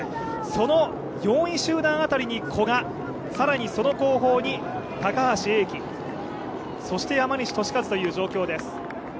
その４位集団辺りに古賀、更にその後方に高橋英輝、そして山西利和という状況です。